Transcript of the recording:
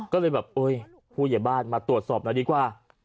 ก็เลยแบบผู้เหยียบบ้านมาตรวจสอบหน่อยดีกว่า